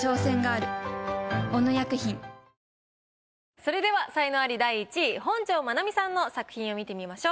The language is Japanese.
それでは才能アリ第１位本上まなみさんの作品を見てみましょう。